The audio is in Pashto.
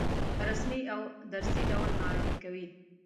په رسمي او درسي ډول معرفي کوي.